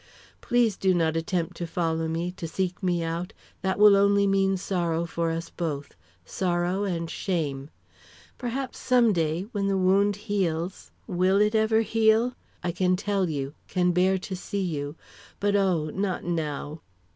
Please do not attempt to follow me, to seek me out; that will only mean sorrow for us both sorrow and shame. Perhaps some day, when the wound heals will it ever heal? I can tell you, can bear to see you. But oh, not now!